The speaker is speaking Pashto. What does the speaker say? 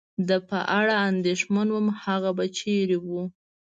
د په اړه اندېښمن ووم، هغه به چېرې و؟